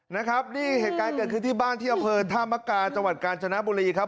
นะครับนี่เหตุการณ์เกิดขึ้นที่บ้านที่อำเภอธามกาจังหวัดกาญจนบุรีครับ